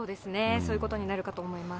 そういうことになるかと思います。